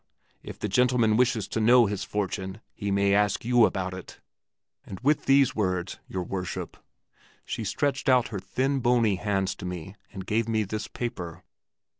If the gentleman wishes to know his fortune, he may ask you about it!' And with these words, your Worship, she stretched out her thin bony hands to me and gave me this paper.